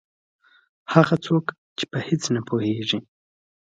هغه څوک چې په هېڅ نه پوهېږي.